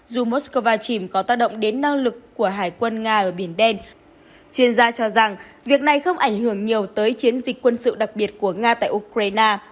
dù moscow chìm có tác động đến năng lực của hải quân nga ở biển đen chuyên gia cho rằng việc này không ảnh hưởng nhiều tới chiến dịch quân sự đặc biệt của nga tại ukraine